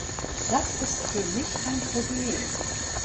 Das ist für mich ein Problem.